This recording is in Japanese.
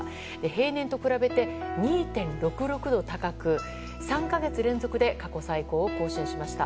平年と比べて２．６６度高く３か月連続で過去最高を更新しました。